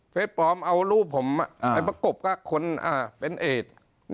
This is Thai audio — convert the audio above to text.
เฟสปอร์มเอารูปผมไอ้ปะกบก็คนเป็นแอด